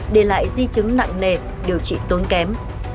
để lại di chứng nặng nề điều trị tốn kém